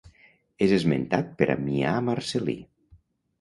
És esmentat per Ammià Marcel·lí.